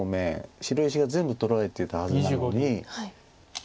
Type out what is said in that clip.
白石が全部取られていたはずなのに。